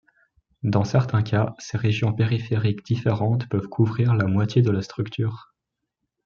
Dans certains cas, ces régions périphériques différentes peuvent couvrir la moitié de la structure.